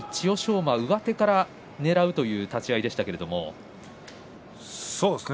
馬は上手からねらうという立ち合いでした。